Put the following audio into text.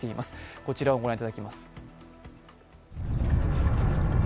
こちらを御覧いただきます。